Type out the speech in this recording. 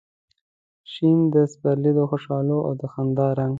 شین د سپرلي د خوشحالو او د خندا رنګ